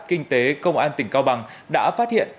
kinh tế công an tỉnh cao bằng đã phát hiện